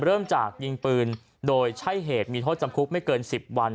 เริ่มจากยิงปืนโดยใช้เหตุมีโทษจำคุกไม่เกิน๑๐วัน